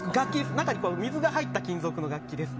中に水が入った金属の楽器です。